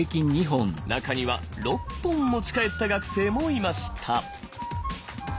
中には６本持ち帰った学生もいました。